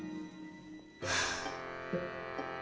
はあ。